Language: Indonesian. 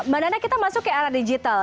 mbak nana kita masuk ke era digital